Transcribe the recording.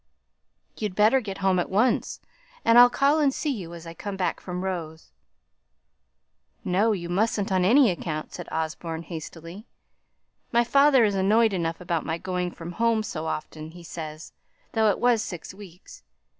"You'd better get home at once; and I'll call and see you as I come back from Rowe's." "No, you mustn't on any account!" said Osborne, hastily; "my father is annoyed enough about my going from home, so often, he says, though I hadn't been from it for six weeks.